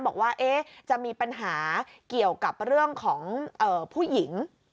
บอกว่าจะมีปัญหาเกี่ยวกับเรื่องของผู้หญิง